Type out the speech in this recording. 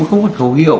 không có khẩu hiệu